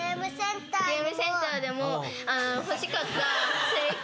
ゲームセンターでも欲しかったすみっコ